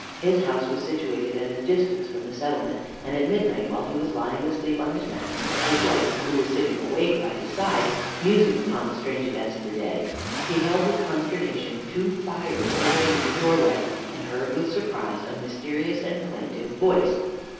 His house was situated at a distance from the settlement, and at midnight, while he was lying asleep on his mat, his wife, who was sitting awake by his side, musing upon the strange events of the day, beheld, with consternation, two fires glittering in the doorway, and heard with surprise a mysterious and plaintive voice.